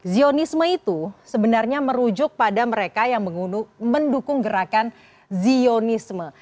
zionisme itu sebenarnya merujuk pada mereka yang mendukung gerakan zionisme